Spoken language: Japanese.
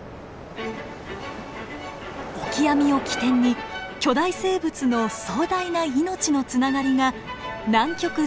オキアミを起点に巨大生物の壮大な命のつながりが南極全体に広がっているのです。